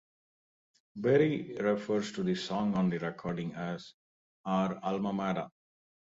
Berry refers to the song on the recording as "our alma mater".